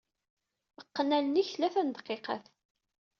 Qqen allen-ik tlata n dqiqat.